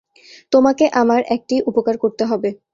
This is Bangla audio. তোমাকে আমার একটি উপকার করতে হবে।